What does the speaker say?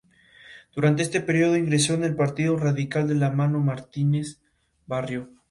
Tuvo tres hijos: Manuel Alejandro, Pedro Alejandro y Antonio Alejandro.